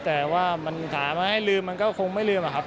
แต่ว่ามันหามาให้ลืมมันก็คงไม่ลืมอะครับ